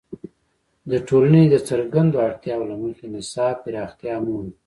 د ټولنې د څرګندو اړتیاوو له مخې نصاب پراختیا مومي.